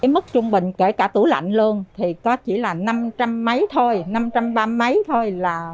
mức trung bình kể cả tủ lạnh luôn thì có chỉ là năm trăm linh mấy thôi năm trăm ba mươi mấy thôi là